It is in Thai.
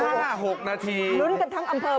ลุ้นกับทั้งอำเภอพระเผิกคนเดียว